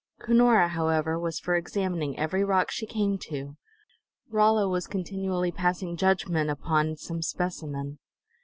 Cunora, however, was for examining every rock she came to; Rolla was continually passing judgment upon some specimen.